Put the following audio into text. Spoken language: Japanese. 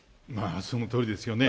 そのとおりですよね。